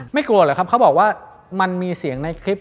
กลัวเหรอครับเขาบอกว่ามันมีเสียงในคลิป